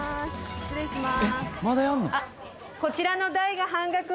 失礼しまーす。